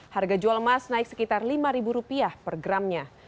harga jual emas naik sekitar lima rupiah per gramnya